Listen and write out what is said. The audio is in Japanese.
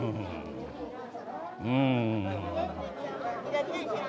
うん。